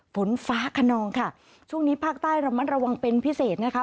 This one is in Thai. ฝนฟ้าขนองค่ะช่วงนี้ภาคใต้ระมัดระวังเป็นพิเศษนะคะ